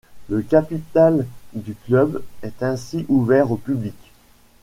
Le capital du club est ainsi ouvert au public.